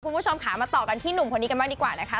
คุณผู้ชมค่ะมาต่อกันที่หนุ่มคนนี้กันบ้างดีกว่านะคะ